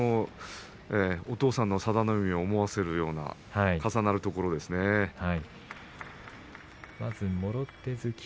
お父さんの佐田の海を思わせるような重なるところがあります。